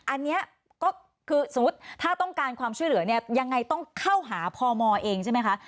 อันนี้ก็คือสมมุติถ้าต้องการความช่วยเหลือเนี่ยยังไงต้องเข้าหาพมเองใช่ไหมคะ